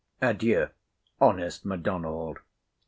Adieu, honest M'Donald.